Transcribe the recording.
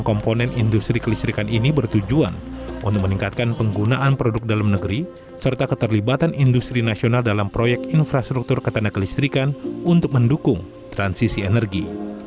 memperlihatkan penggunaan produk dalam negeri serta keterlibatan industri nasional dalam proyek infrastruktur ketanda kelistrikan untuk mendukung transisi energi